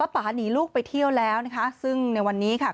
ป่าหนีลูกไปเที่ยวแล้วนะคะซึ่งในวันนี้ค่ะ